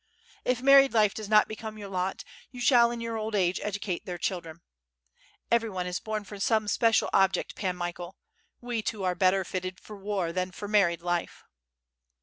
If married life does not become your lot, you shall in your old age educate their children. Everyone is born for some special object. Pan Michael; we two are better fitted for war than for married life."